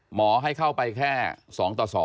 หมอให้เข้าไปแค่๒ต่อ๒